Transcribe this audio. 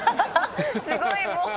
すごいもう。